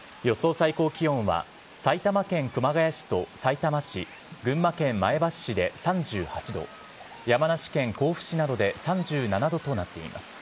最高気温は埼玉県熊谷市とさいたま市、群馬県前橋市で３８度、山梨県甲府市などで３７度となっています。